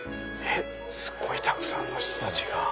すごいたくさんの人たちが。